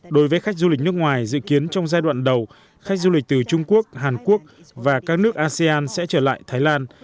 đối với khách du lịch nước ngoài dự kiến trong giai đoạn đầu khách du lịch từ trung quốc hàn quốc và các nước asean sẽ trở lại thái lan